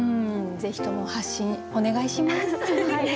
ぜひとも発信お願いします。